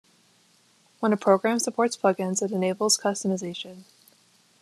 When a program supports plug-ins, it enables customization.